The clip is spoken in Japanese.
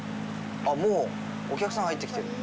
もうお客さん入ってきてる。